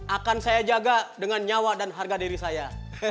akan saya jaga dengan nyawa dan harga diri saya